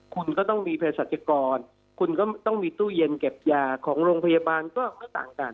คุณก็ต้องมีเพศสัจกรคุณก็ต้องมีตู้เย็นเก็บยาของโรงพยาบาลก็ไม่ต่างกัน